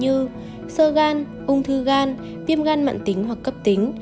như sơ gan ung thư gan viêm gan mạng tính hoặc cấp tính